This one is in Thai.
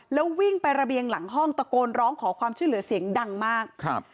แล้ววิ่งไประเบียงหลังห้องตะโกนร้องขอความช่วยเหลือเสียงดังมากครับ